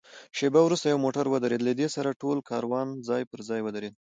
شېبه وروسته یو موټر ودرېد، له دې سره ټول کاروان ځای پر ځای ودرېد.